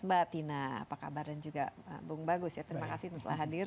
mbak tina apa kabar dan juga bung bagus ya terima kasih telah hadir